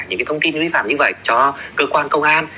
những cái thông tin như vậy cho cơ quan công an